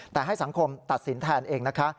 แต่ให้สังคมตัดสินแทนเองนะคะ